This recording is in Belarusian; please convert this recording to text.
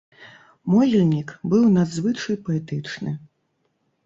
Могільнік быў надзвычай паэтычны.